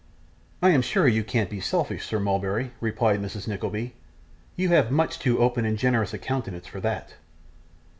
'I am sure you can't be selfish, Sir Mulberry!' replied Mrs. Nickleby. 'You have much too open and generous a countenance for that.